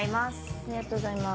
ありがとうございます。